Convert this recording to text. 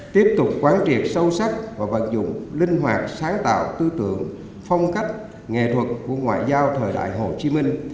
tiếp tục quán triệt sâu sắc và vận dụng linh hoạt sáng tạo tư tưởng phong cách nghệ thuật của ngoại giao thời đại hồ chí minh